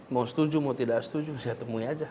mau setuju mau tidak setuju saya temui aja